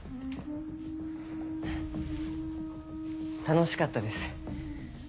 楽しかったです。